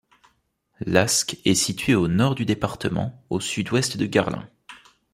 Lasque est situé au nord du département, au sud-ouest de Garlin.